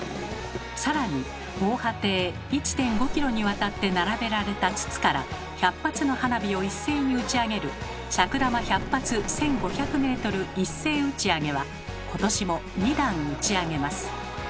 更に防波堤１．５キロにわたって並べられた筒から１００発の花火を一斉に打ち上げる「尺玉１００発１，５００メートル一斉打上」は今年も２弾打ち上げます。